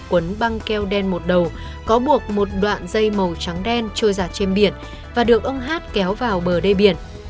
quấn băng keo đen một đầu có buộc một đoạn dây màu trắng đen trôi giảt trên biển và được ông h kéo vào bờ đê biển